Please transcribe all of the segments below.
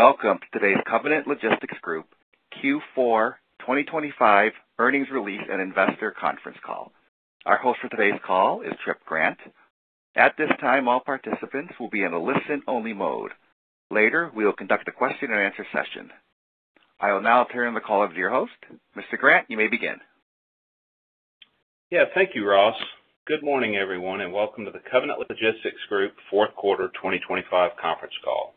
Welcome to today's Covenant Logistics Group Q4 2025 Earnings Release and Investor Conference Call. Our host for today's call is Tripp Grant. At this time, all participants will be in a listen-only mode. Later, we will conduct a question-and-answer session. I will now turn the call over to your host. Mr. Grant, you may begin. Yeah, thank you, Ross. Good morning, everyone, and welcome to the Covenant Logistics Group fourth quarter 2025 conference call.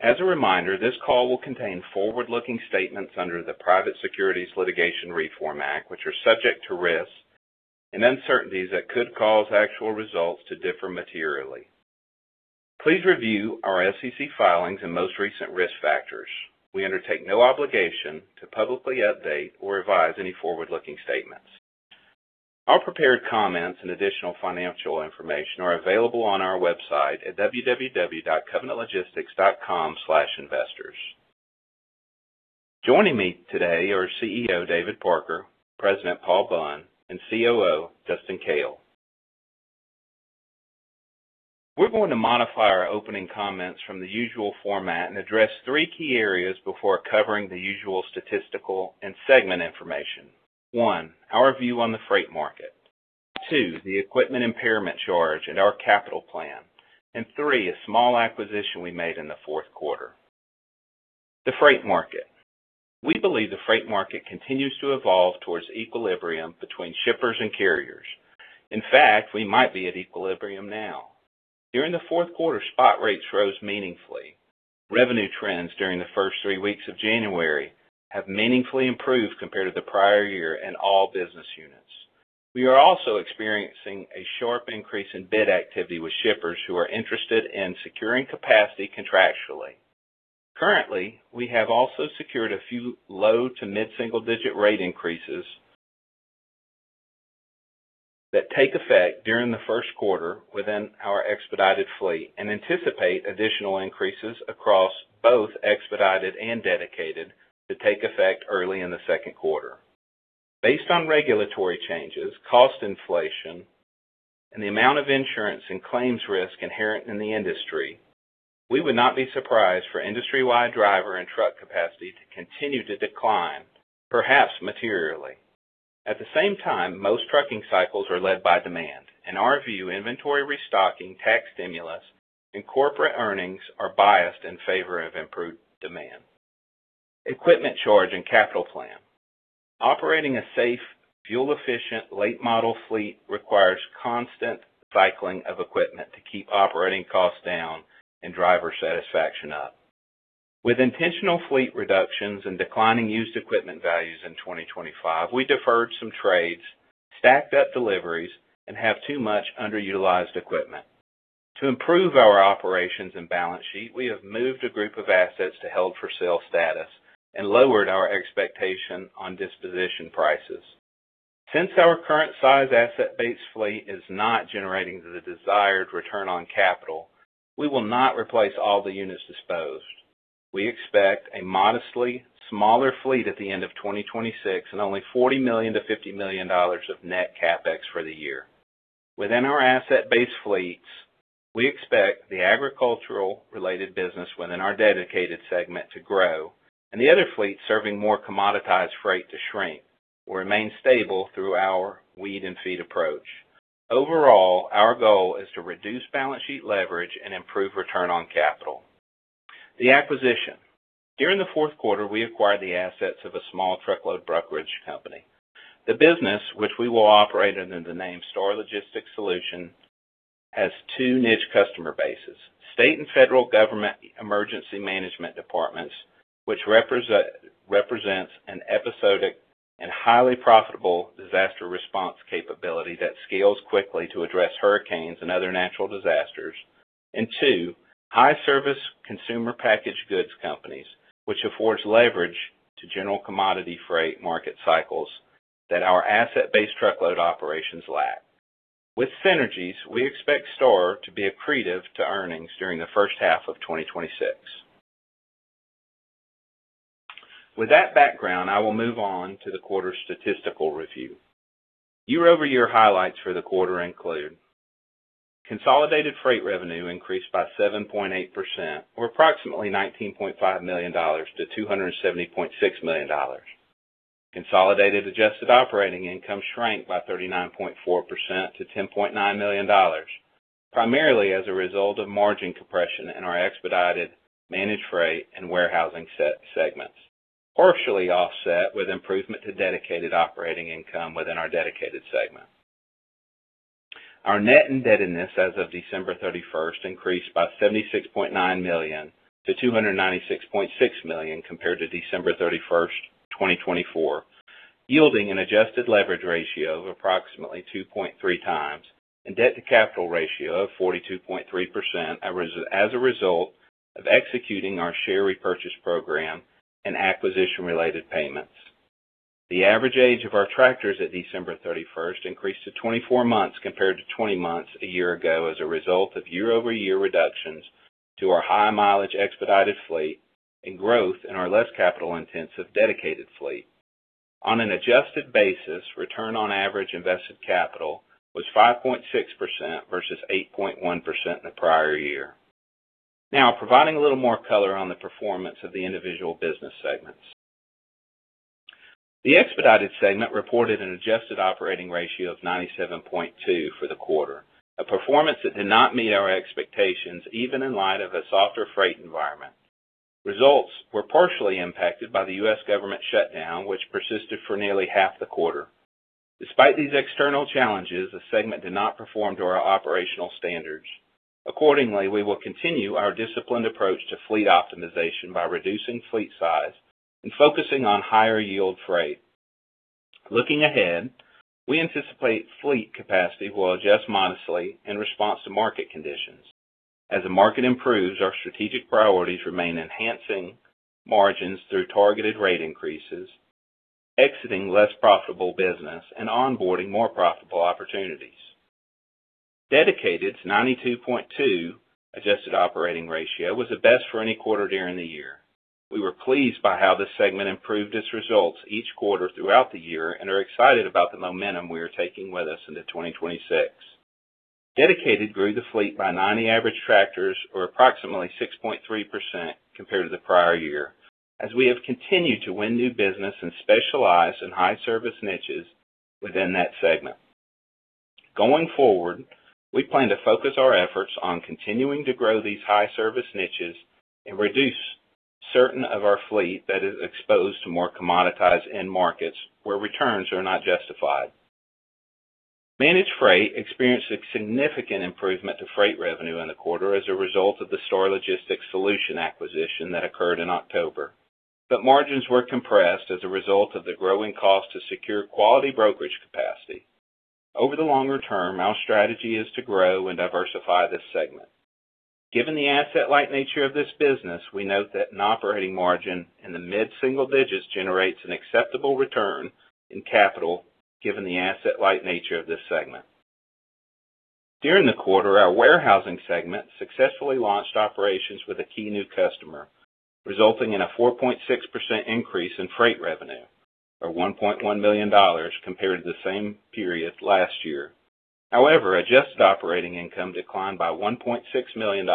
As a reminder, this call will contain forward-looking statements under the Private Securities Litigation Reform Act, which are subject to risks and uncertainties that could cause actual results to differ materially. Please review our SEC filings and most recent risk factors. We undertake no obligation to publicly update or revise any forward-looking statements. Our prepared comments and additional financial information are available on our website at www.covenantlogistics.com/investors. Joining me today are CEO David Parker, President Paul Bunn, and COO Dustin Koehl. We're going to modify our opening comments from the usual format and address three key areas before covering the usual statistical and segment information. One, our view on the freight market. Two, the equipment impairment charge and our capital plan. Three, a small acquisition we made in the fourth quarter. The freight market. We believe the freight market continues to evolve towards equilibrium between shippers and carriers. In fact, we might be at equilibrium now. During the fourth quarter, spot rates rose meaningfully. Revenue trends during the first three weeks of January have meaningfully improved compared to the prior year in all business units. We are also experiencing a sharp increase in bid activity with shippers who are interested in securing capacity contractually. Currently, we have also secured a few low to mid-single-digit rate increases that take effect during the first quarter within our expedited fleet and anticipate additional increases across both expedited and dedicated to take effect early in the second quarter. Based on regulatory changes, cost inflation, and the amount of insurance and claims risk inherent in the industry, we would not be surprised for industry-wide driver and truck capacity to continue to decline, perhaps materially. At the same time, most trucking cycles are led by demand. In our view, inventory restocking, tax stimulus, and corporate earnings are biased in favor of improved demand. Equipment charge and capital plan. Operating a safe, fuel-efficient, late-model fleet requires constant cycling of equipment to keep operating costs down and driver satisfaction up. With intentional fleet reductions and declining used equipment values in 2025, we deferred some trades, stacked up deliveries, and have too much underutilized equipment. To improve our operations and balance sheet, we have moved a group of assets to held-for-sale status and lowered our expectation on disposition prices. Since our current size asset-based fleet is not generating the desired return on capital, we will not replace all the units disposed. We expect a modestly smaller fleet at the end of 2026 and only $40 million-$50 million of net CapEx for the year. Within our asset-based fleets, we expect the agricultural-related business within our dedicated segment to grow and the other fleets serving more commoditized freight to shrink or remain stable through our weed and feed approach. Overall, our goal is to reduce balance sheet leverage and improve return on capital. The acquisition. During the fourth quarter, we acquired the assets of a small truckload brokerage company. The business, which we will operate under the name Star Logistics Solutions, has two niche customer bases: state and federal government emergency management departments, which represents an episodic and highly profitable disaster response capability that scales quickly to address hurricanes and other natural disasters. And two, high-service consumer packaged goods companies, which affords leverage to general commodity freight market cycles that our asset-based truckload operations lack. With synergies, we expect Star to be accretive to earnings during the first half of 2026. With that background, I will move on to the quarter's statistical review. Year-over-year highlights for the quarter include: consolidated freight revenue increased by 7.8% or approximately $19.5 million to $270.6 million. Consolidated adjusted operating income shrank by 39.4% to $10.9 million, primarily as a result of margin compression in our Expedited, Managed Freight, and Warehousing segments, partially offset with improvement to dedicated operating income within our Dedicated segment. Our net indebtedness as of December 31 increased by $76.9 million-$296.6 million compared to December 31, 2024, yielding an adjusted leverage ratio of approximately 2.3 times and debt-to-capital ratio of 42.3%, as a result of executing our share repurchase program and acquisition-related payments. The average age of our tractors at December 31st increased to 24 months, compared to 20 months a year ago, as a result of year-over-year reductions to our high-mileage expedited fleet and growth in our less capital-intensive dedicated fleet. On an adjusted basis, return on average invested capital was 5.6% versus 8.1% in the prior year. Now, providing a little more color on the performance of the individual business segments. The expedited segment reported an adjusted operating ratio of 97.2% for the quarter, a performance that did not meet our expectations, even in light of a softer freight environment. Results were partially impacted by the U.S. Government shutdown, which persisted for nearly half the quarter. Despite these external challenges, the segment did not perform to our operational standards. Accordingly, we will continue our disciplined approach to fleet optimization by reducing fleet size and focusing on higher yield freight. Looking ahead, we anticipate fleet capacity will adjust modestly in response to market conditions. As the market improves, our strategic priorities remain enhancing margins through targeted rate increases, exiting less profitable business, and onboarding more profitable opportunities. Dedicated's 92.2 adjusted operating ratio was the best for any quarter during the year. We were pleased by how this segment improved its results each quarter throughout the year and are excited about the momentum we are taking with us into 2026. Dedicated grew the fleet by 90 average tractors, or approximately 6.3% compared to the prior year, as we have continued to win new business and specialize in high-service niches within that segment. Going forward, we plan to focus our efforts on continuing to grow these high-service niches and reduce certain of our fleet that is exposed to more commoditized end markets where returns are not justified. Managed freight experienced a significant improvement to freight revenue in the quarter as a result of the Star Logistics Solutions acquisition that occurred in October, but margins were compressed as a result of the growing cost to secure quality brokerage capacity. Over the longer term, our strategy is to grow and diversify this segment. Given the asset-light nature of this business, we note that an operating margin in the mid-single digits generates an acceptable return on capital, given the asset-light nature of this segment. During the quarter, our warehousing segment successfully launched operations with a key new customer, resulting in a 4.6% increase in freight revenue, or $1.1 million compared to the same period last year. However, adjusted operating income declined by $1.6 million,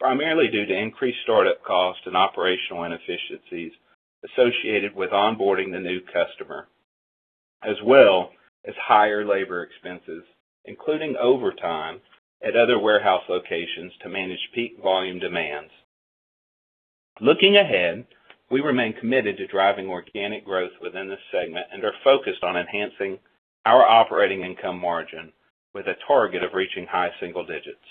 primarily due to increased startup costs and operational inefficiencies associated with onboarding the new customer, as well as higher labor expenses, including overtime at other warehouse locations to manage peak volume demands. Looking ahead, we remain committed to driving organic growth within this segment and are focused on enhancing our operating income margin with a target of reaching high single digits.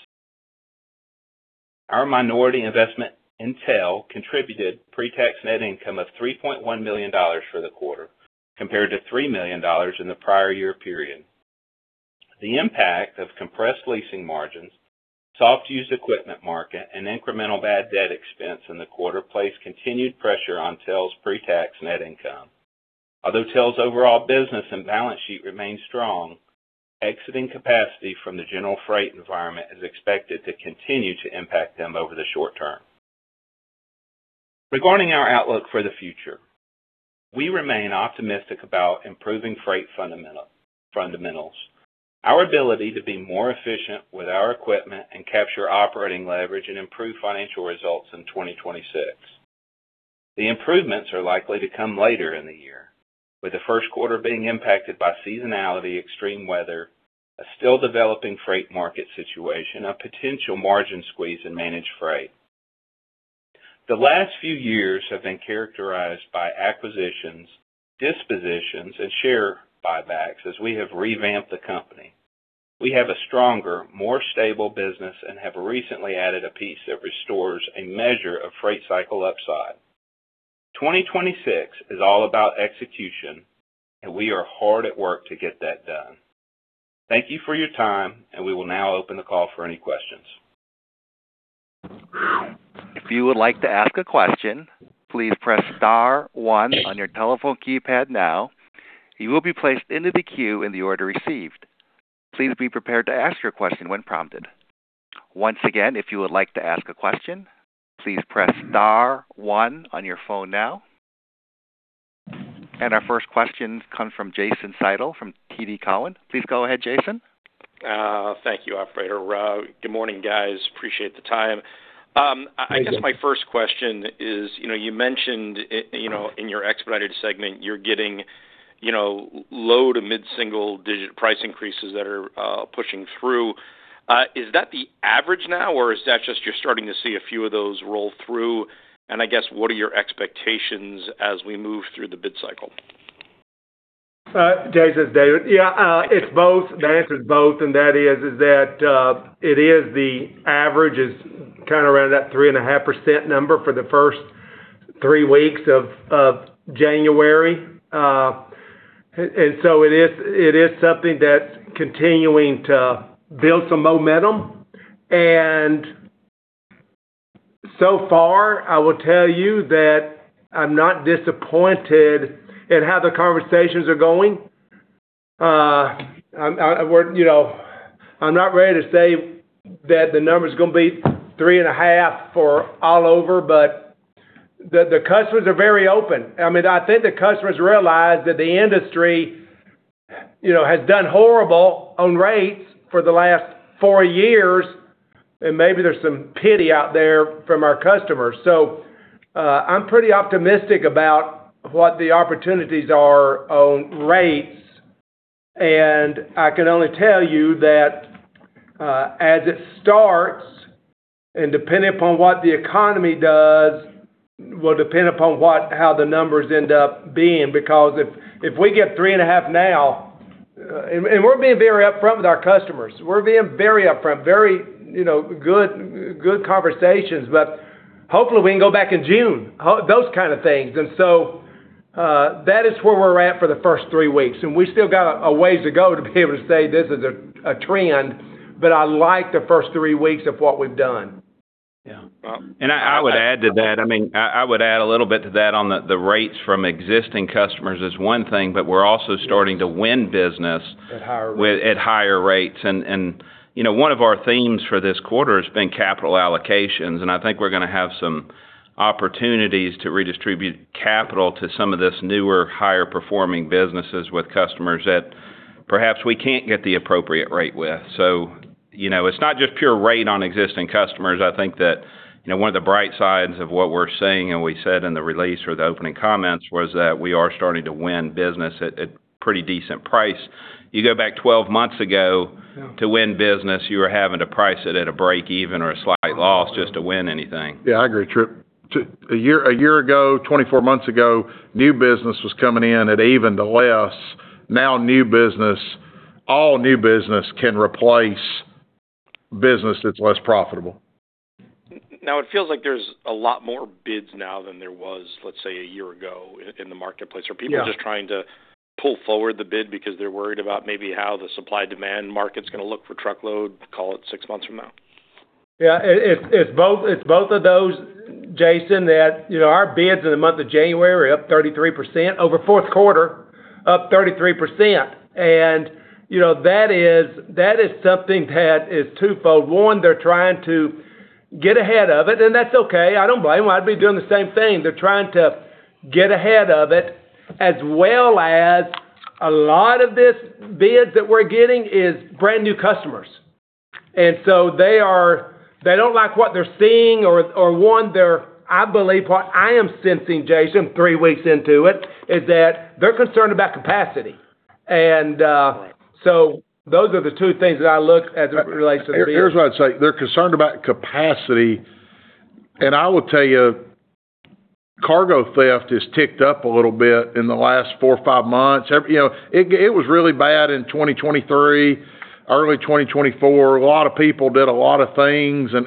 Our minority investment in TEL contributed pretax net income of $3.1 million for the quarter, compared to $3 million in the prior year period. The impact of compressed leasing margins, soft used equipment market, and incremental bad debt expense in the quarter placed continued pressure on TEL's pretax net income. Although TEL's overall business and balance sheet remain strong, exiting capacity from the general freight environment is expected to continue to impact them over the short term. Regarding our outlook for the future, we remain optimistic about improving freight fundamentals, our ability to be more efficient with our equipment, and capture operating leverage and improve financial results in 2026. The improvements are likely to come later in the year, with the first quarter being impacted by seasonality, extreme weather, a still-developing freight market situation, a potential margin squeeze in Managed Freight. The last few years have been characterized by acquisitions, dispositions, and share buybacks as we have revamped the company. We have a stronger, more stable business and have recently added a piece that restores a measure of freight cycle upside. 2026 is all about execution, and we are hard at work to get that done. Thank you for your time, and we will now open the call for any questions. If you would like to ask a question, please press star one on your telephone keypad now. You will be placed into the queue in the order received. Please be prepared to ask your question when prompted. Once again, if you would like to ask a question, please press star one on your phone now. Our first question comes from Jason Seidl from TD Cowen. Please go ahead, Jason. Thank you, operator. Good morning, guys. Appreciate the time. I guess my first question is, you know, you mentioned, you know, in your expedited segment, you're getting, you know, low to mid-single digit price increases that are pushing through. Is that the average now, or is that just you're starting to see a few of those roll through? And I guess, what are your expectations as we move through the bid cycle? Jason, it's David. Yeah, it's both. The answer is both, and that is, is that, it is the average is kind of around that 3.5% number for the first three weeks of January. And so it is, it is something that's continuing to build some momentum. And so far, I will tell you that I'm not disappointed in how the conversations are going. You know, I'm not ready to say that the number's gonna be 3.5 for all over, but the customers are very open. I mean, I think the customers realize that the industry, you know, has done horrible on rates for the last 4 years, and maybe there's some pity out there from our customers. So, I'm pretty optimistic about what the opportunities are on rates, and I can only tell you that as it starts, and depending upon what the economy does, will depend upon what how the numbers end up being. Because if we get 3.5 now. And we're being very upfront with our customers. We're being very upfront, very, you know, good conversations. But hopefully, we can go back in June, those kind of things. And so, that is where we're at for the first three weeks, and we still got a ways to go to be able to say this is a trend, but I like the first three weeks of what we've done. Yeah. And I would add to that. I mean, I would add a little bit to that on the rates from existing customers is one thing, but we're also starting to win business at higher rates. And you know, one of our themes for this quarter has been capital allocations, and I think we're gonna have some opportunities to redistribute capital to some of this newer, higher-performing businesses with customers that perhaps we can't get the appropriate rate with. So, you know, it's not just pure rate on existing customers. I think that, you know, one of the bright sides of what we're seeing, and we said in the release or the opening comments, was that we are starting to win business at pretty decent price. You go back 12 months ago. To win business, you were having to price it at a break-even or a slight loss just to win anything. Yeah, I agree, Tripp. A year, a year ago, 24 months ago, new business was coming in at even to less. Now, new business, all new business can replace business that's less profitable. Now, it feels like there's a lot more bids now than there was, let's say, a year ago in the marketplace. Yeah. Are people just trying to pull forward the bid because they're worried about maybe how the supply-demand market's gonna look for truckload, call it six months from now? Yeah, it's both of those, Jason. That. You know, our bids in the month of January are up 33%. Over fourth quarter, up 33%. And you know, that is something that is twofold. One, they're trying to get ahead of it, and that's okay. I don't blame them. I'd be doing the same thing. They're trying to get ahead of it, as well as a lot of these bids that we're getting are brand-new customers. And so they are. They don't like what they're seeing or, one, they're. I believe what I am sensing, Jason, three weeks into it, is that they're concerned about capacity. Right So those are the two things that I look at as it relates to the bids. Here, here's what I'd say: They're concerned about capacity, and I will tell you, cargo theft has ticked up a little bit in the last 4 or 5 months. You know, it was really bad in 2023, early 2024. A lot of people did a lot of things, and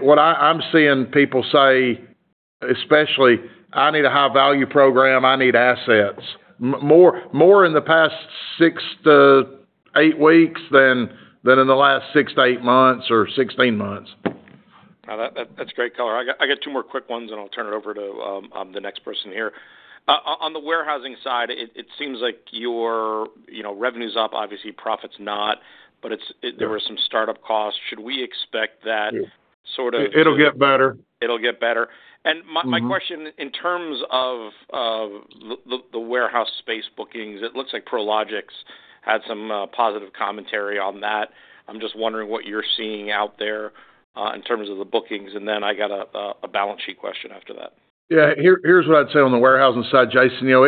what I'm seeing people say, especially, "I need a high-value program. I need assets." More in the past 6-8 weeks than in the last 6-8 months or 16 months. That's great color. I got two more quick ones, and I'll turn it over to the next person here. On the warehousing side, it seems like your, you know, revenue's up, obviously, profit's not, but it's- Yeah there were some startup costs. Should we expect that- Yeah sort of- It'll get better. It'll get better? Mm-hmm. My question in terms of the warehouse space bookings, it looks like Prologis had some positive commentary on that. I'm just wondering what you're seeing out there in terms of the bookings, and then I got a balance sheet question after that. Yeah, here, here's what I'd say on the warehousing side, Jason. You know,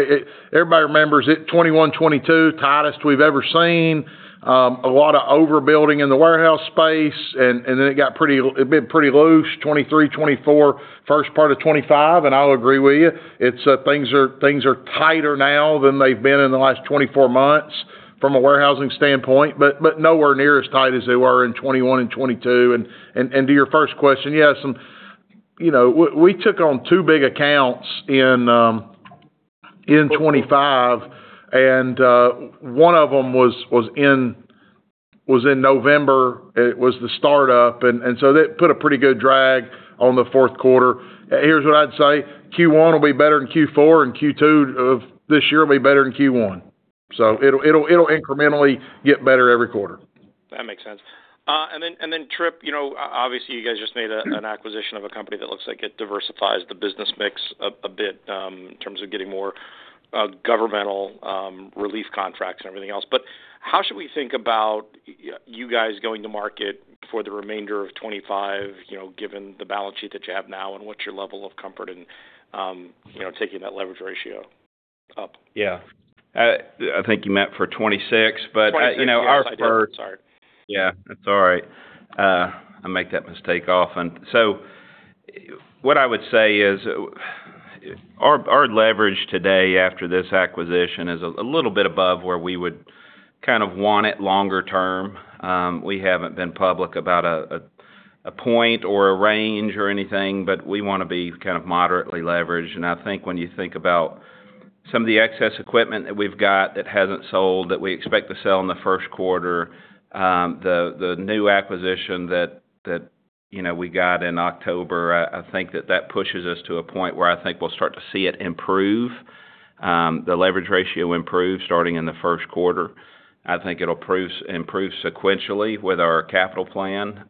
everybody remembers it, 2021, 2022, tightest we've ever seen, a lot of overbuilding in the warehouse space, and then it's been pretty loose, 2023, 2024, first part of 2025. And I'll agree with you, it's things are tighter now than they've been in the last 24 months from a warehousing standpoint, but nowhere near as tight as they were in 2021 and 2022. And to your first question, yes. You know, we took on two big accounts in 2025, and one of them was in November. It was the startup, and so that put a pretty good drag on the fourth quarter. Here's what I'd say: Q1 will be better than Q4, and Q2 of this year will be better than Q1. So it'll, it'll, it'll incrementally get better every quarter. That makes sense. And then, and then, Tripp, you know, obviously, you guys just made a- Yeah an acquisition of a company that looks like it diversifies the business mix a bit, in terms of getting more governmental relief contracts and everything else. But how should we think about you guys going to market for the remainder of 2025, you know, given the balance sheet that you have now, and what's your level of comfort in, you know, taking that leverage ratio up? Yeah. I think you meant for 2026, but- '26 you know, our first- I did. Sorry. Yeah, that's all right. I make that mistake often. So what I would say is, our leverage today after this acquisition is a little bit above where we would kind of want it longer term. We haven't been public about a point or a range or anything, but we wanna be kind of moderately leveraged. And I think when you think about some of the excess equipment that we've got that hasn't sold, that we expect to sell in the first quarter, the new acquisition that you know we got in October, I think that that pushes us to a point where I think we'll start to see it improve. The leverage ratio improve, starting in the first quarter. I think it'll improve sequentially with our capital plan.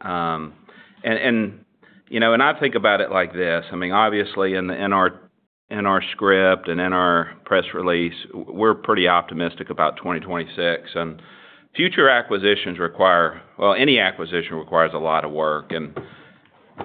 You know, and I think about it like this, I mean, obviously, in our script and in our press release, we're pretty optimistic about 2026. Future acquisitions require well, any acquisition requires a lot of work, and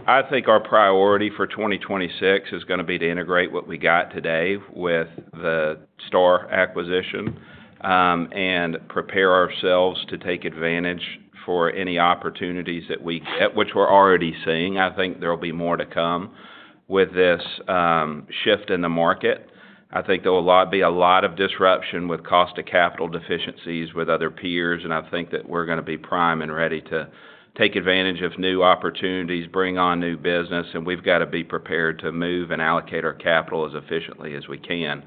I think our priority for 2026 is gonna be to integrate what we got today with the Star acquisition, and prepare ourselves to take advantage for any opportunities that we get, which we're already seeing. I think there will be more to come with this shift in the market. I think there will be a lot of disruption with cost of capital deficiencies with other peers, and I think that we're gonna be prime and ready to take advantage of new opportunities, bring on new business, and we've got to be prepared to move and allocate our capital as efficiently as we can.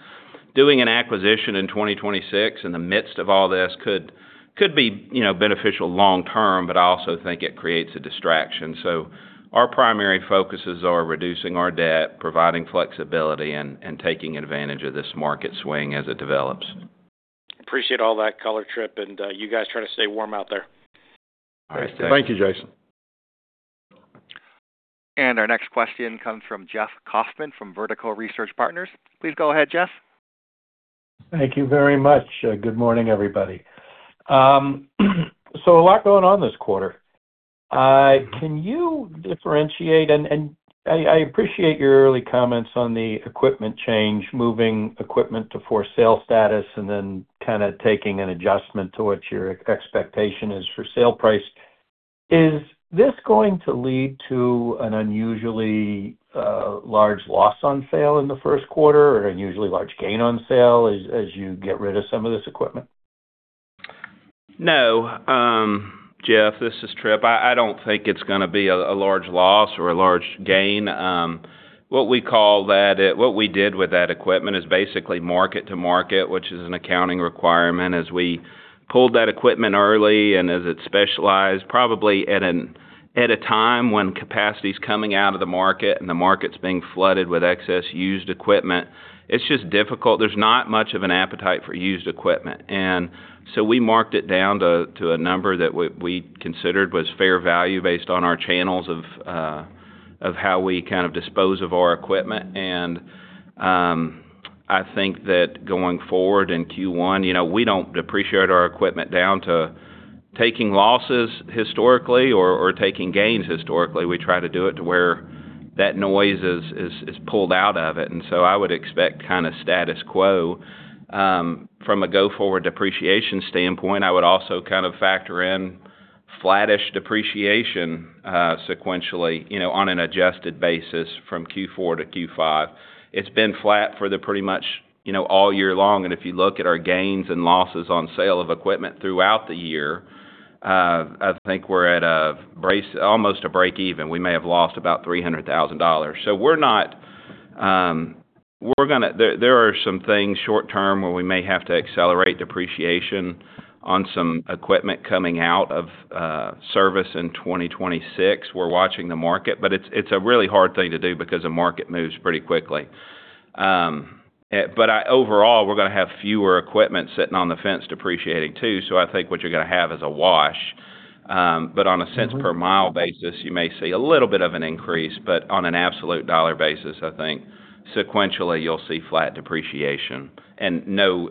Doing an acquisition in 2026, in the midst of all this, could be, you know, beneficial long term, but I also think it creates a distraction. So our primary focuses are reducing our debt, providing flexibility, and taking advantage of this market swing as it develops. Appreciate all that color, Tripp, and you guys try to stay warm out there. All right. Thank you, Jason. Our next question comes from Jeff Kauffman from Vertical Research Partners. Please go ahead, Jeff. Thank you very much. Good morning, everybody. A lot going on this quarter. Can you differentiate And I appreciate your early comments on the equipment change, moving equipment to for-sale status, and then kind of taking an adjustment to what your expectation is for sale price. Is this going to lead to an unusually large loss on sale in the first quarter or an unusually large gain on sale as you get rid of some of this equipment? No, Jeff, this is Tripp. I don't think it's gonna be a large loss or a large gain. What we did with that equipment is basically mark to market, which is an accounting requirement. As we pulled that equipment early and as it's specialized, probably at a time when capacity's coming out of the market and the market's being flooded with excess used equipment, it's just difficult. There's not much of an appetite for used equipment. And so we marked it down to a number that we considered was fair value based on our channels of how we kind of dispose of our equipment. And I think that going forward in Q1, you know, we don't depreciate our equipment down to taking losses historically or taking gains historically. We try to do it to where that noise is pulled out of it, and so I would expect kind of status quo. From a go-forward depreciation standpoint, I would also kind of factor in flattish depreciation sequentially, you know, on an adjusted basis from Q4 to Q5. It's been flat for pretty much, you know, all year long, and if you look at our gains and losses on sale of equipment throughout the year, I think we're at almost a break even. We may have lost about $300,000. There are some things short term, where we may have to accelerate depreciation on some equipment coming out of service in 2026. We're watching the market, but it's a really hard thing to do because the market moves pretty quickly. But overall, we're gonna have fewer equipment sitting on the fence depreciating, too. So I think what you're gonna have is a wash. But on a cents-per-mile basis, you may see a little bit of an increase, but on an absolute dollar basis, I think sequentially, you'll see flat depreciation and no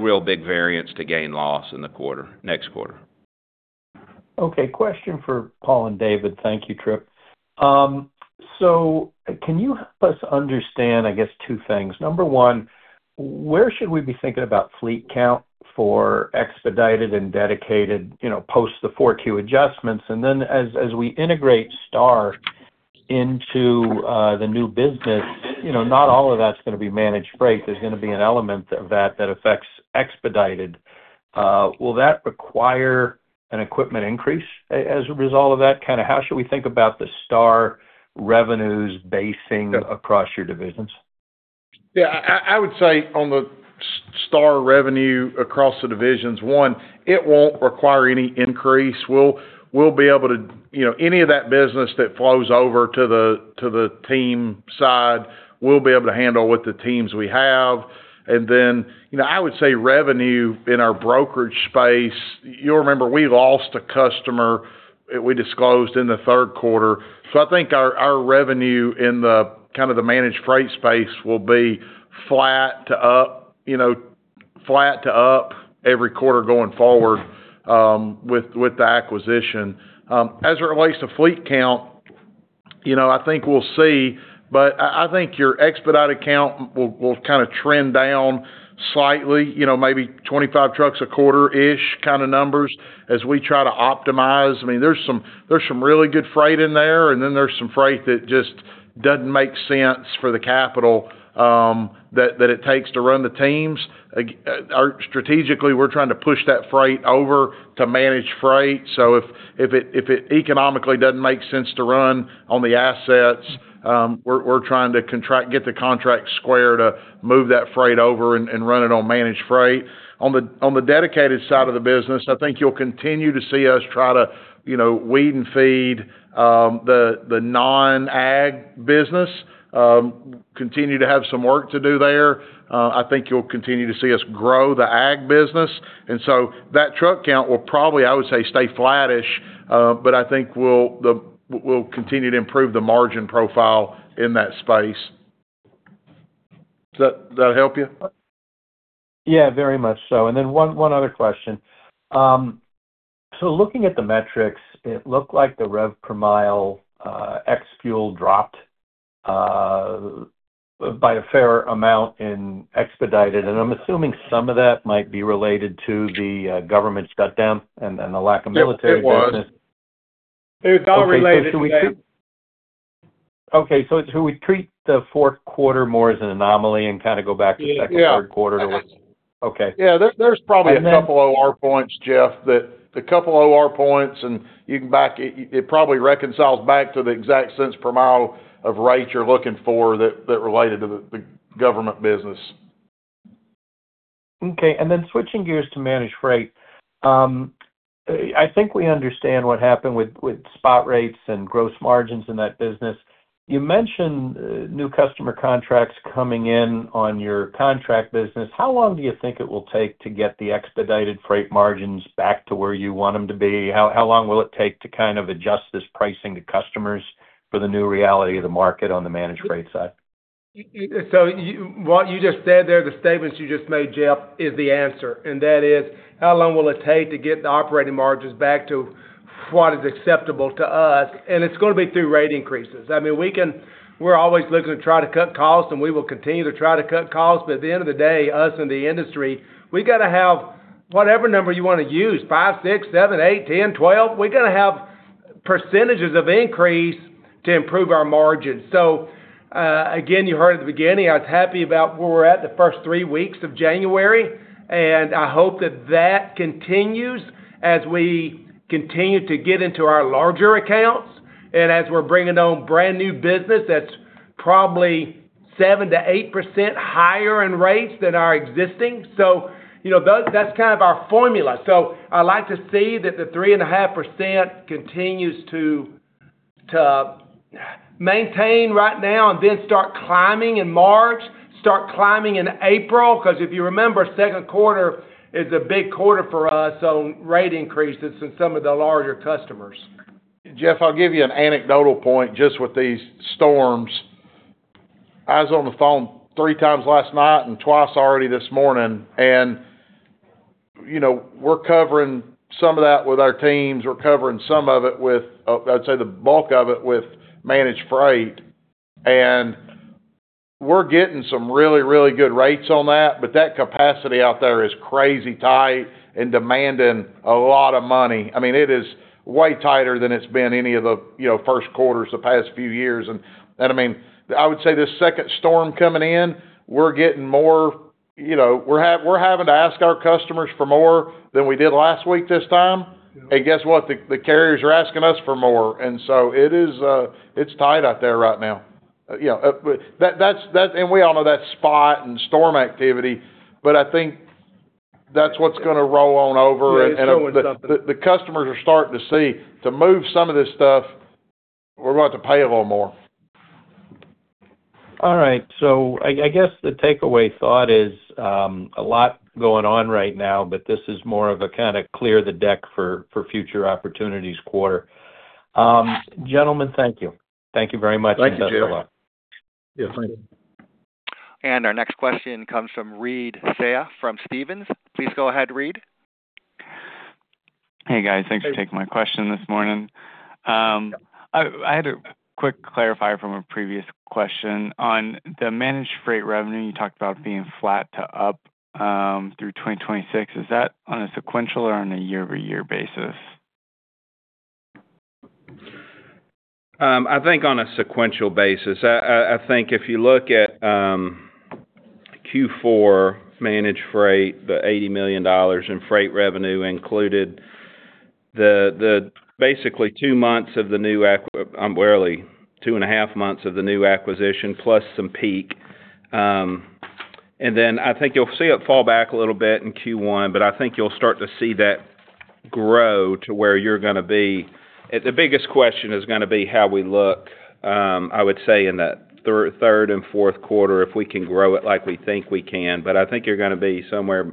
real big variance to gain loss in the quarter, next quarter. Okay, question for Paul and David. Thank you, Tripp. So can you help us understand, I guess, two things. Number one, where should we be thinking about fleet count for expedited and dedicated, you know, post the 42 adjustments? And then, as we integrate Star into the new business, you know, not all of that's gonna be managed freight, there's gonna be an element of that that affects expedited. Will that require an equipment increase as a result of that? Kinda how should we think about the Star revenues basing across your divisions? Yeah, I would say on the Star revenue across the divisions, one, it won't require any increase. We'll be able to You know, any of that business that flows over to the team side, we'll be able to handle with the teams we have. And then, you know, I would say revenue in our brokerage space, you'll remember we lost a customer, we disclosed in the third quarter. So I think our revenue in the kind of the managed freight space will be flat to up, you know, flat to up every quarter going forward, with the acquisition. As it relates to fleet count, you know, I think we'll see, but I think your expedited count will kind of trend down slightly, you know, maybe 25 trucks a quarter-ish kind of numbers, as we try to optimize. I mean, there's some really good freight in there, and then there's some freight that just- doesn't make sense for the capital that it takes to run the teams. Strategically, we're trying to push that freight over to managed freight. So if it economically doesn't make sense to run on the assets, we're trying to get the contract square to move that freight over and run it on managed freight. On the dedicated side of the business, I think you'll continue to see us try to, you know, weed and feed the non-ag business, continue to have some work to do there. I think you'll continue to see us grow the ag business, and so that truck count will probably, I would say, stay flattish, but I think we'll continue to improve the margin profile in that space. Does that help you? Yeah, very much so. And then one other question. So looking at the metrics, it looked like the rev per mile ex-fuel dropped by a fair amount in Expedited, and I'm assuming some of that might be related to the government shutdown and the lack of military business. It was. It's all related to that. Okay, so should we treat the fourth quarter more as an anomaly and kinda go back to the second- Yeah and third quarter? Okay. Yeah, there's probably- And then- a couple OR points, Jeff. The couple OR points, and you can back it. It probably reconciles back to the exact cents per mile of rate you're looking for, that related to the government business. Okay. And then switching gears to managed freight. I think we understand what happened with, with spot rates and gross margins in that business. You mentioned, new customer contracts coming in on your contract business. How long do you think it will take to get the expedited freight margins back to where you want them to be? How, how long will it take to kind of adjust this pricing to customers for the new reality of the market on the managed freight side? What you just said there, the statements you just made, Jeff, is the answer, and that is, how long will it take to get the operating margins back to what is acceptable to us? It's gonna be through rate increases. I mean, we can, we're always looking to try to cut costs, and we will continue to try to cut costs, but at the end of the day, us and the industry, we've got to have whatever number you want to use, 5, 6, 7, 8, 10, 12, we're gonna have percentages of increase to improve our margins. So, again, you heard at the beginning, I was happy about where we're at the first three weeks of January, and I hope that that continues as we continue to get into our larger accounts and as we're bringing on brand-new business that's probably 7%-8% higher in rates than our existing. So, you know, that's kind of our formula. So I'd like to see that the 3.5% continues to maintain right now, and then start climbing in March, start climbing in April, 'cause if you remember, second quarter is a big quarter for us on rate increases in some of the larger customers. Jeff, I'll give you an anecdotal point just with these storms. I was on the phone three times last night and twice already this morning, and, you know, we're covering some of that with our teams, we're covering some of it with, I'd say the bulk of it, with managed freight. And we're getting some really, really good rates on that, but that capacity out there is crazy tight and demanding a lot of money. I mean, it is way tighter than it's been any of the, you know, first quarters the past few years. And I mean, I would say this second storm coming in, we're getting more. You know, we're having to ask our customers for more than we did last week this time. And guess what? The carriers are asking us for more. And so it is, it's tight out there right now. Yeah, but that's that, and we all know that's spot and storm activity, but I think that's what's gonna roll on over- Yeah, it's showing something. And the customers are starting to see, to move some of this stuff, we're gonna have to pay a little more. All right. So I, I guess, the takeaway thought is, a lot going on right now, but this is more of a kinda clear-the-deck-for-future-opportunities quarter. Gentlemen, thank you. Thank you very much- Thank you, Jeff. Best of luck. Yeah, thank you. And our next question comes from Reed Seay from Stephens. Please go ahead, Reed. Hey, guys. Hey. Thanks for taking my question this morning. I had a quick clarification from a previous question. On the Managed Freight revenue, you talked about being flat to up, through 2026. Is that on a sequential or on a year-over-year basis? I think on a sequential basis. I think if you look at Q4 Managed Freight, the $80 million in freight revenue included basically 2.5 months of the new acquisition, plus some peak. And then I think you'll see it fall back a little bit in Q1, but I think you'll start to see that grow to where you're gonna be. The biggest question is gonna be how we look, I would say, in that third and fourth quarter, if we can grow it like we think we can. But I think you're gonna be somewhere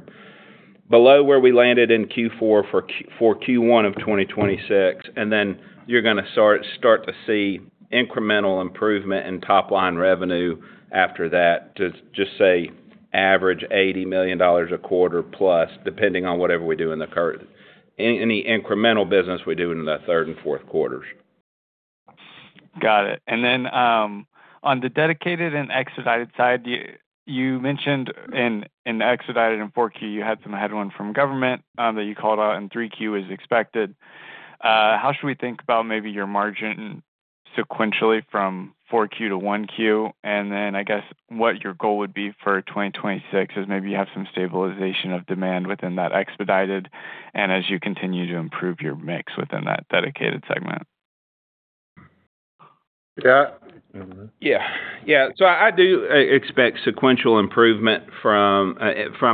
below where we landed in Q4 for Q1 of 2026, and then you're gonna start to see incremental improvement in top-line revenue after that, to just say, average $80 million a quarter plus, depending on whatever we do in the current any incremental business we do in the third and fourth quarters. Got it. And then, on the dedicated and expedited side, you, you mentioned in, in expedited in 4Q, you had some headwind from government, that you called out, and 3Q as expected. How should we think about maybe your margin sequentially from 4Q to 1Q? And then, I guess, what your goal would be for 2026, as maybe you have some stabilization of demand within that expedited, and as you continue to improve your mix within that dedicated segment? Yeah. Mm-hmm. Yeah. Yeah, so I do expect sequential improvement from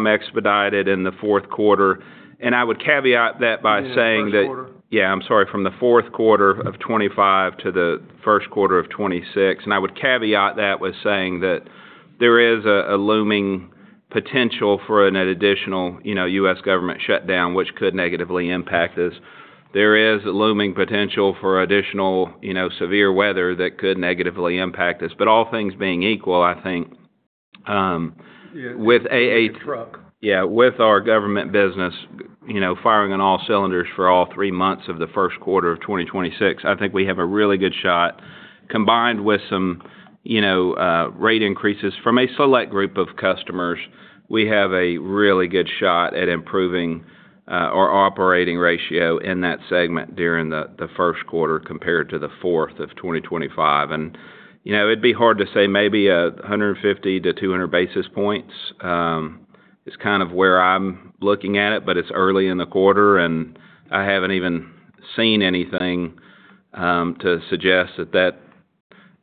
Expedited in the fourth quarter, and I would caveat that by saying that- Fourth quarter? Yeah, I'm sorry, from the fourth quarter of 2025 to the first quarter of 2026. I would caveat that with saying that there is a looming potential for an additional, you know, U.S. government shutdown, which could negatively impact us. There is a looming potential for additional, you know, severe weather that could negatively impact us. But all things being equal, I think, with AA- Truck. Yeah, with our government business, you know, firing on all cylinders for all three months of the first quarter of 2026, I think we have a really good shot. Combined with some, you know, rate increases from a select group of customers, we have a really good shot at improving, our operating ratio in that segment during the, the first quarter compared to the fourth of 2025. And, you know, it'd be hard to say, maybe, 150-200 basis points, is kind of where I'm looking at it, but it's early in the quarter, and I haven't even seen anything, to suggest that that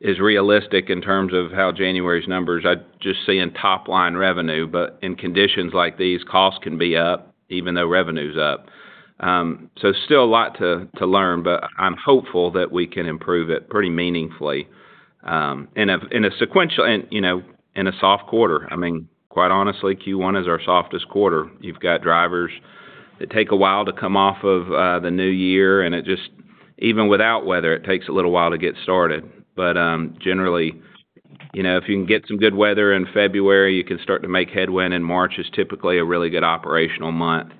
is realistic in terms of how January's numbers. I'm just seeing top-line revenue, but in conditions like these, costs can be up, even though revenue's up. So still a lot to learn, but I'm hopeful that we can improve it pretty meaningfully. In a sequential and, you know, in a soft quarter. I mean, quite honestly, Q1 is our softest quarter. You've got drivers that take a while to come off of the new year, and it just. Even without weather, it takes a little while to get started. But generally, you know, if you can get some good weather in February, you can start to make headway, and March is typically a really good operational month.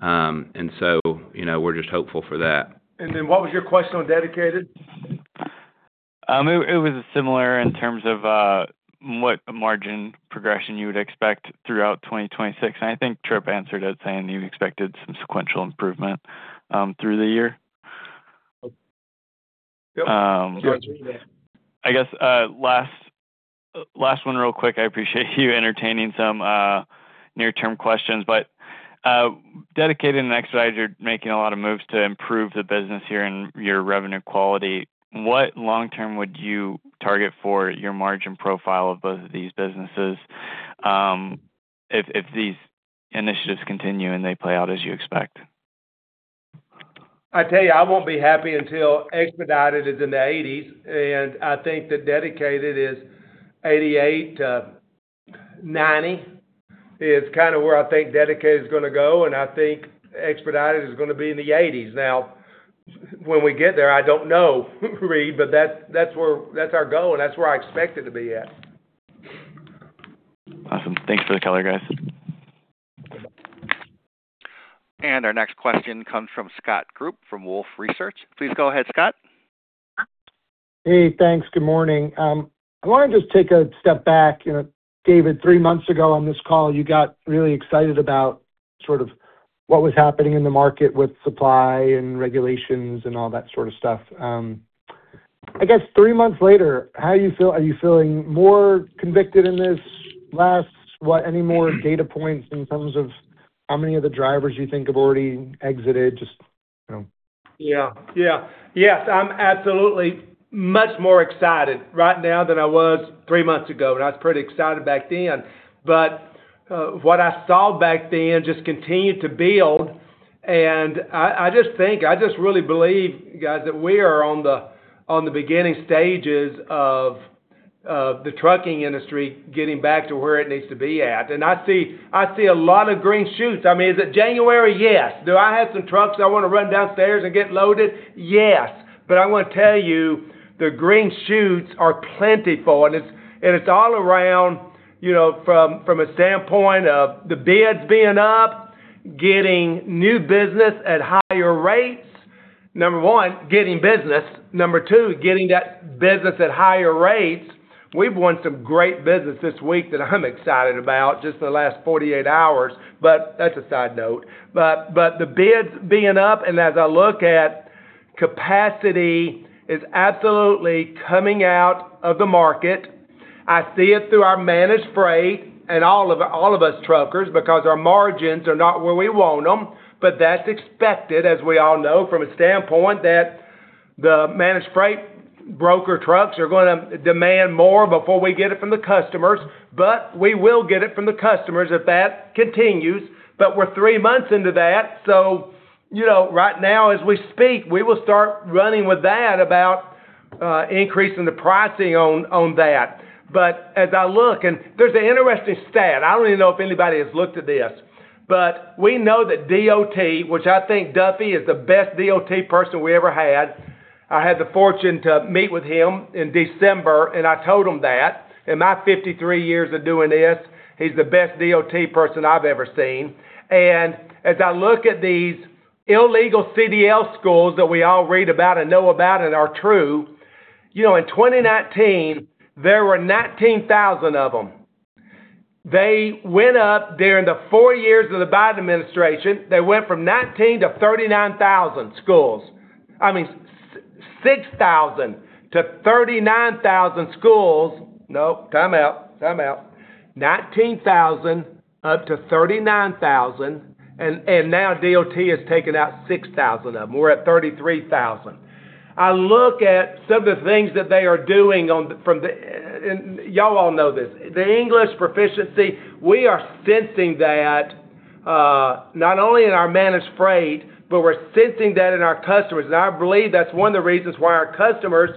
And so, you know, we're just hopeful for that. And then what was your question on Dedicated? It was similar in terms of what margin progression you would expect throughout 2026, and I think Tripp answered it, saying you expected some sequential improvement through the year. Yep. I guess last one real quick. I appreciate you entertaining some near-term questions, but Dedicated and Expedited, you're making a lot of moves to improve the business here and your revenue quality. What long-term would you target for your margin profile of both of these businesses, if these initiatives continue, and they play out as you expect? I tell you, I won't be happy until Expedited is in the 80s, and I think that Dedicated is 88, 90, is kinda where I think Dedicated is gonna go, and I think Expedited is gonna be in the 80s. Now, when we get there, I don't know, Reed, but that's, that's where-- that's our goal, and that's where I expect it to be at. Awesome. Thanks for the color, guys. Our next question comes from Scott Group, from Wolfe Research. Please go ahead, Scott. Hey, thanks. Good morning. I wanna just take a step back. You know, David, three months ago on this call, you got really excited about sort of what was happening in the market with supply and regulations and all that sort of stuff. I guess three months later, how are you feeling more convicted in this last, what? Any more data points in terms of how many of the drivers you think have already exited? Just, you know. Yeah. Yeah. Yes, I'm absolutely much more excited right now than I was three months ago, and I was pretty excited back then. But, what I saw back then just continued to build, and I, I just think, I just really believe, guys, that we are on the, on the beginning stages of, of the trucking industry getting back to where it needs to be at. And I see, I see a lot of green shoots. I mean, is it January? Yes. Do I have some trucks I wanna run downstairs and get loaded? Yes. But I wanna tell you, the green shoots are plentiful, and it's, and it's all around, you know, from, from a standpoint of the bids being up, getting new business at higher rates. Number one, getting business. Number two, getting that business at higher rates. We've won some great business this week that I'm excited about, just the last 48 hours, but that's a side note. But, but the bids being up, and as I look at capacity, is absolutely coming out of the market. I see it through our managed freight and all of, all of us truckers, because our margins are not where we want them, but that's expected, as we all know, from a standpoint that the managed freight broker trucks are gonna demand more before we get it from the customers, but we will get it from the customers if that continues. But we're three months into that, so you know, right now, as we speak, we will start running with that about, increasing the pricing on, on that. But as I look. And there's an interesting stat. I don't even know if anybody has looked at this, but we know that DOT, which I think Duffy, is the best DOT person we ever had. I had the fortune to meet with him in December, and I told him that. In my 53 years of doing this, he's the best DOT person I've ever seen. And as I look at these illegal CDL schools that we all read about and know about and are true, you know, in 2019, there were 19,000 of them. They went up during the four years of the Biden administration. They went from 19,000 to 39,000 schools. I mean, 6,000 to 39,000 schools. No, time out, time out. 19,000 up to 39,000, and, and now DOT has taken out 6,000 of them. We're at 33,000. I look at some of the things that they are doing on the, from the, and y'all all know this, the English proficiency, we are sensing that, not only in our managed freight, but we're sensing that in our customers. And I believe that's one of the reasons why our customers,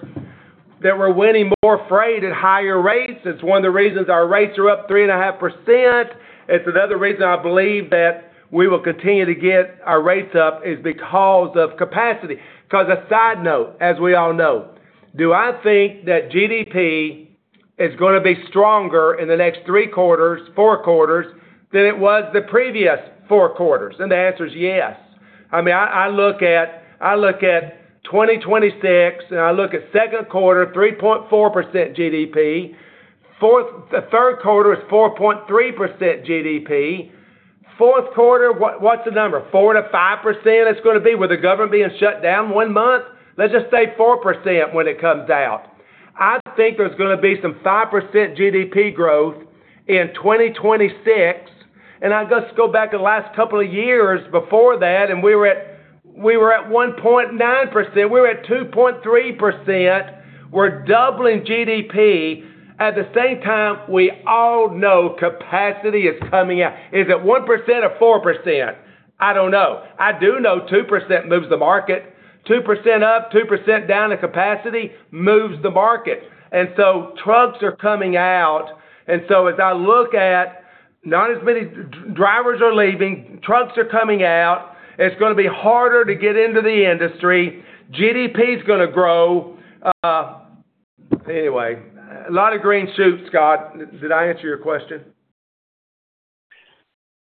that we're winning more freight at higher rates. It's one of the reasons our rates are up 3.5%. It's another reason I believe that we will continue to get our rates up is because of capacity. Because a side note, as we all know, do I think that GDP is gonna be stronger in the next three quarters, four quarters than it was the previous four quarters? And the answer is yes. I mean, I, I look at, I look at 2026, and I look at second quarter, 3.4% GDP. The third quarter is 4.3% GDP. Fourth quarter, what, what's the number? 4%-5% it's gonna be, with the government being shut down one month? Let's just say 4% when it comes out. I think there's gonna be some 5% GDP growth in 2026, and I just go back the last couple of years before that, and we were at, we were at 1.9%. We were at 2.3%. We're doubling GDP. At the same time, we all know capacity is coming out. Is it 1% or 4%? I don't know. I do know 2% moves the market. 2% up, 2% down in capacity moves the market, and so trucks are coming out. And so as I look at not as many drivers are leaving, trucks are coming out, it's gonna be harder to get into the industry. GDP is gonna grow. Anyway, a lot of green shoots, Scott. Did I answer your question?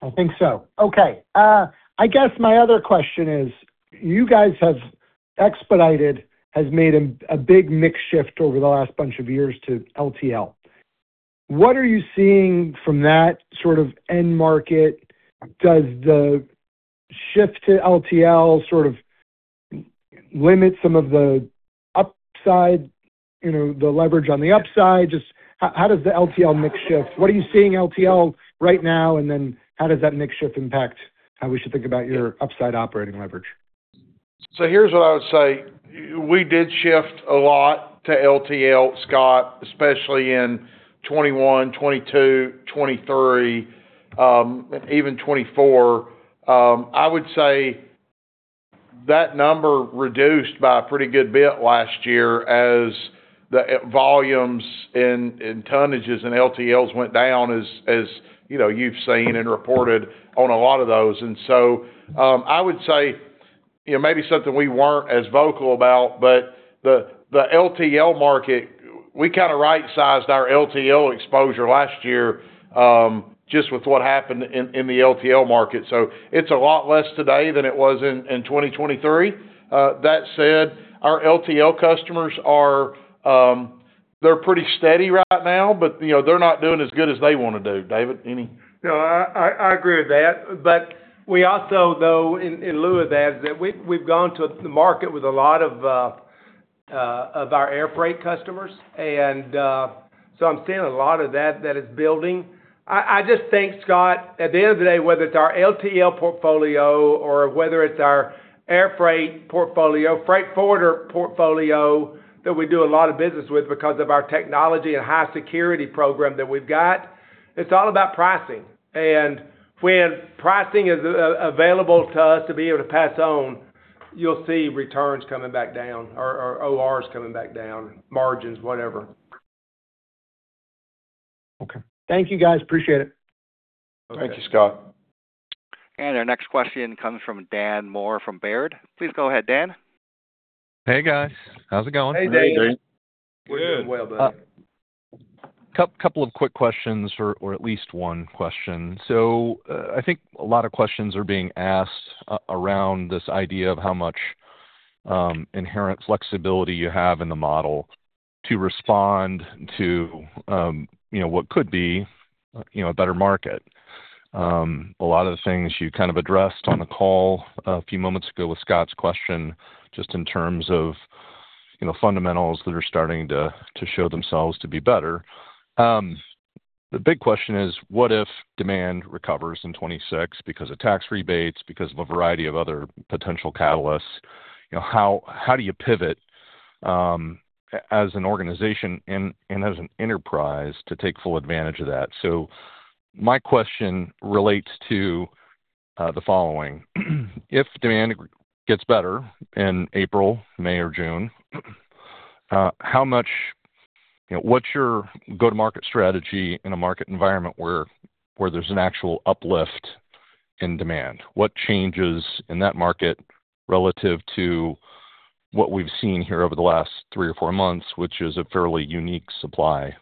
I think so. Okay, I guess my other question is: You guys have expedited, has made a, a big mix shift over the last bunch of years to LTL. What are you seeing from that sort of end market? Does the shift to LTL sort of limit some of the upside, you know, the leverage on the upside? Just how, how does the LTL mix shift? What are you seeing LTL right now, and then how does that mix shift impact how we should think about your upside operating leverage? So here's what I would say. We did shift a lot to LTL, Scott, especially in 2021, 2022, 2023, even 2024. I would say that number reduced by a pretty good bit last year as the volumes and tonnages and LTLs went down, as you know, you've seen and reported on a lot of those. And so, I would say, you know, maybe something we weren't as vocal about, but the LTL market, we kind of right-sized our LTL exposure last year, just with what happened in the LTL market. So it's a lot less today than it was in 2023. That said, our LTL customers are, they're pretty steady right now, but, you know, they're not doing as good as they want to do. David, any? No, I agree with that. But we also, though, in lieu of that, we've gone to the market with a lot of our airfreight customers, and so I'm seeing a lot of that that is building. I just think, Scott, at the end of the day, whether it's our LTL portfolio or whether it's our air freight portfolio, freight forwarder portfolio that we do a lot of business with because of our technology and high security program that we've got, it's all about pricing. And when pricing is available to us to be able to pass on, you'll see returns coming back down or ORs coming back down, margins, whatever. Okay. Thank you, guys. Appreciate it. Thank you, Scott. Our next question comes from Dan Moore, from Baird. Please go ahead, Dan. Hey, guys. How's it going? Hey, Dan. Good. Couple of quick questions, or at least one question. So, I think a lot of questions are being asked around this idea of how much inherent flexibility you have in the model to respond to, you know, what could be, you know, a better market. A lot of the things you kind of addressed on the call a few moments ago with Scott's question, just in terms of, you know, fundamentals that are starting to show themselves to be better. The big question is, what if demand recovers in 2026 because of tax rebates, because of a variety of other potential catalysts? You know, how do you pivot as an organization and as an enterprise to take full advantage of that? My question relates to the following: If demand gets better in April, May, or June, you know, what's your go-to-market strategy in a market environment where there's an actual uplift in demand? What changes in that market relative to what we've seen here over the last three or four months, which is a fairly unique supply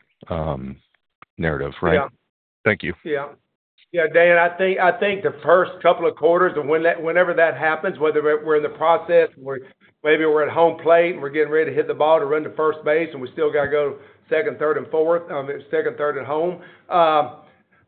narrative, right? Yeah. Thank you. Yeah. Yeah, Dan, I think the first couple of quarters, and when that—whenever that happens, whether we're in the process, we're—maybe we're at home plate, and we're getting ready to hit the ball to run to first base, and we still gotta go second, third, and fourth, second, third, and home.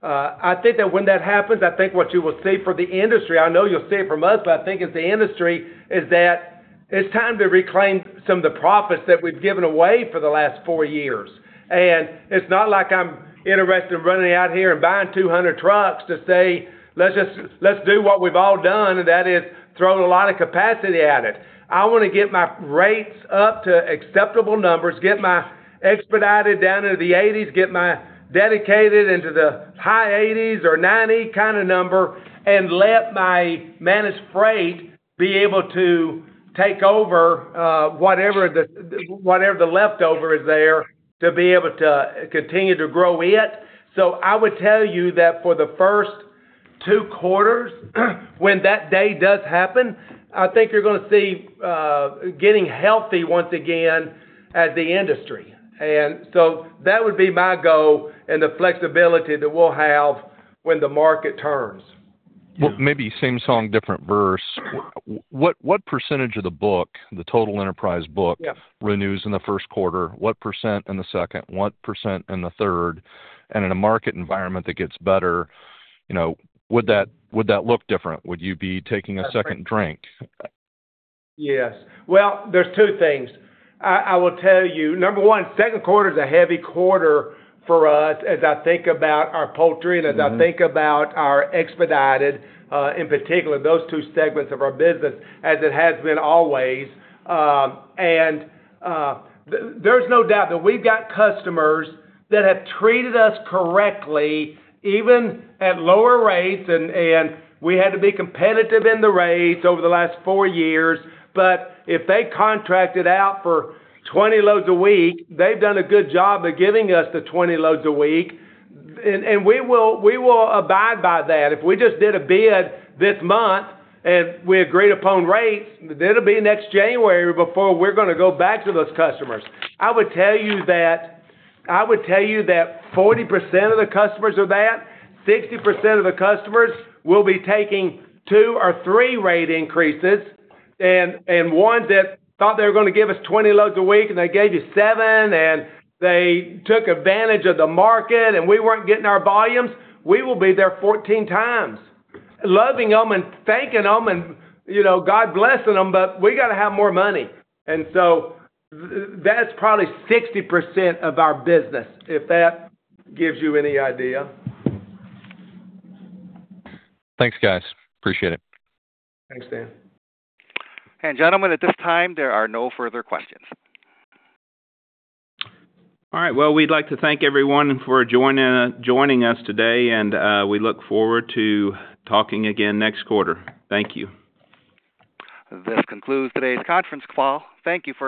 I think that when that happens, I think what you will see for the industry, I know you'll see it from us, but I think as the industry, is that it's time to reclaim some of the profits that we've given away for the last four years. And it's not like I'm interested in running out here and buying 200 trucks to say, "Let's just—Let's do what we've all done," and that is throw a lot of capacity at it. I wanna get my rates up to acceptable numbers, get my expedited down to the 80s, get my dedicated into the high 80s or 90 kinda number, and let my managed freight be able to take over, whatever the leftover is there, to be able to continue to grow it. So I would tell you that for the first two quarters, when that day does happen, I think you're gonna see getting healthy once again as the industry. And so that would be my goal and the flexibility that we'll have when the market turns. Well, maybe same song, different verse. What, what percentage of the book, the total enterprise book- Yes. Renews in the first quarter? What percent in the second? What percent in the third? And in a market environment that gets better, you know, would that, would that look different? Would you be taking a second drink? Yes. Well, there's two things. I, I will tell you, number one, second quarter is a heavy quarter for us, as I think about our poultry and as I think about- Mm-hmm Our expedited, in particular, those two segments of our business, as it has been always. There's no doubt that we've got customers that have treated us correctly, even at lower rates, and we had to be competitive in the rates over the last 4 years. But if they contracted out for 20 loads a week, they've done a good job of giving us the 20 loads a week, and we will abide by that. If we just did a bid this month, and we agreed upon rates, then it'll be next January before we're gonna go back to those customers. I would tell you that, I would tell you that 40% of the customers are that, 60% of the customers will be taking two or three rate increases. And ones that thought they were gonna give us 20 loads a week, and they gave you 7, and they took advantage of the market, and we weren't getting our volumes, we will be there 14 times, loving them and thanking them and, you know, God blessing them, but we gotta have more money. And so that's probably 60% of our business, if that gives you any idea. Thanks, guys. Appreciate it. Thanks, Dan. Gentlemen, at this time, there are no further questions. All right, well, we'd like to thank everyone for joining, joining us today, and, we look forward to talking again next quarter. Thank you. This concludes today's Conference Call. Thank you for your participation.